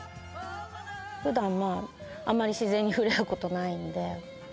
ふだん、あんまり自然に触れ合うことないんで。